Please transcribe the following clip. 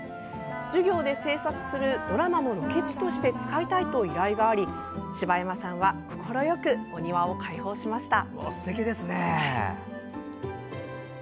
授業で制作するドラマのロケ地として使いたいと依頼があり、柴山さんは快くお庭を開放しました。